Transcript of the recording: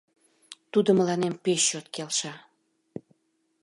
Тудо мыланем пеш чот келша.